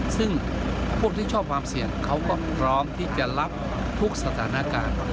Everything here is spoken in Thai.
ซึ่งพวกที่ชอบความเสี่ยงเขาก็พร้อมที่จะรับทุกสถานการณ์